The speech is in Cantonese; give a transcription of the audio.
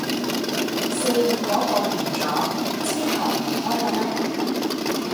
四月嗰個完咗，之後唔開喇咩